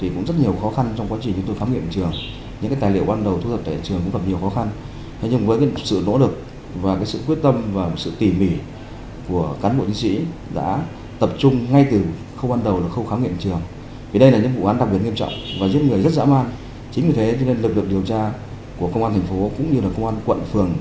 chính vì thế nên lực lượng điều tra của công an thành phố cũng như là công an quận phường